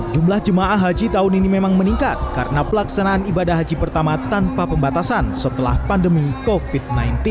jumlah jemaah haji tahun ini memang meningkat karena pelaksanaan ibadah haji pertama tanpa pembatasan setelah pandemi covid sembilan belas